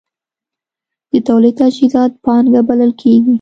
د تولید تجهیزات پانګه بلل کېږي.